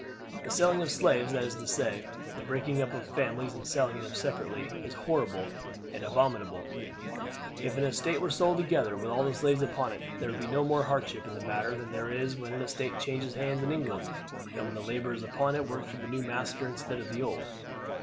"The selling of slaves, that is to say, the breaking up of families and selling them separately, is horrible and abominable. If an estate were sold together with all the slaves upon it, there would be no more hardship in the matter than there is when an estate changes hands in England, and the laborers upon it work for the new master instead of the old.